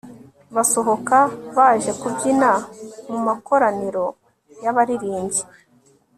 basohoka baje kubyina mu makoraniro y'abaririmbyi